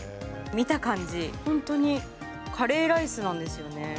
見た感じ、本当にカレーライスなんですよね。